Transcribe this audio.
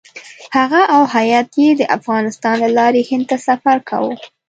هغه او هیات یې د افغانستان له لارې هند ته سفر کاوه.